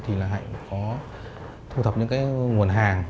thì là hãy có thu thập những cái nguồn hàng